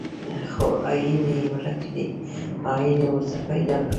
خو اپین یې ورک دی، اپین ورته پیدا کړئ.